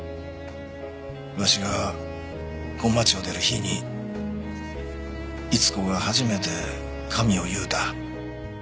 わしがこん街を出る日に伊津子が初めて髪を結うた。